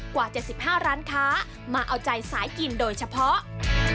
กว่า๗๕ร้านค้ามาเอาใจสายกินโดยเฉพาะ